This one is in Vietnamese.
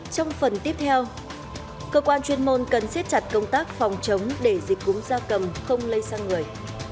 trong phần tiếp theo cơ quan chuyên môn cần siết chặt công tác phòng chống để dịch cúm gia cầm không lây sang người